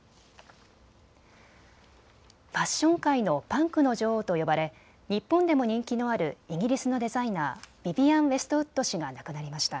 ファッション界のパンクの女王と呼ばれ日本でも人気のあるイギリスのデザイナー、ヴィヴィアン・ウエストウッド氏が亡くなりました。